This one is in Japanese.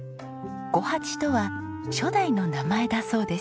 五八とは初代の名前だそうです。